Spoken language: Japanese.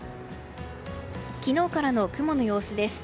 昨日からの雲の様子です。